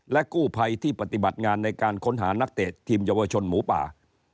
กู้ภัยที่ปฏิบัติงานในการค้นหานักเตะทีมเยาวชนหมูป่า